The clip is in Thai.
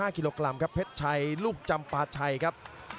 กิโลกรัมครับเพชรชัยลูกจำปาชัยครับ